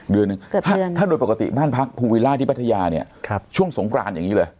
เดือนหนึ่งเกือบเดือนถ้าโดยปกติบ้านพักภูวิล่าที่ปัทยาเนี้ยครับช่วงสงครานอย่างนี้เลย